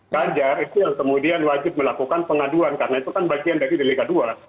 kajar itu yang kemudian wajib melakukan pengaduan karena itu kan bagian dari delika dua